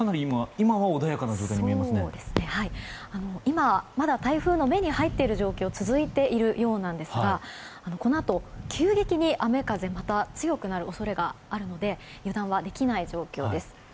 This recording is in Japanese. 今はまだ台風の目に入っている状況続いているようですがこのあと急激に雨風また強くなる恐れがあるので油断はできない状況です。